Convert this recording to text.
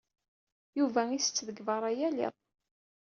Yuba isett deg beṛṛa yal iḍ.